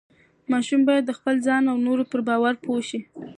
ماشوم باید د خپل ځان او نورو پر باور پوه شي.